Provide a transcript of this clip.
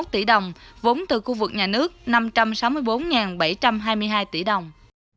hai trăm một mươi chín ba trăm năm mươi một tỷ đồng vốn từ khu vực nhà nước năm trăm sáu mươi bốn bảy trăm hai mươi hai tỷ đồng